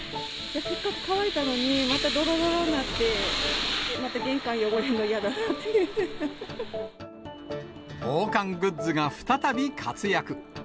せっかく乾いたのに、またどろどろになって、また玄関、防寒グッズが再び活躍。